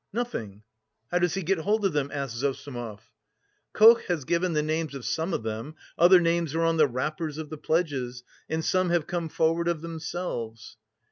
"Nothing." "How does he get hold of them?" asked Zossimov. "Koch has given the names of some of them, other names are on the wrappers of the pledges and some have come forward of themselves."